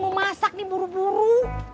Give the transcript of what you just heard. mau masak nih buru buru